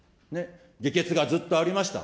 下血がずっとありました。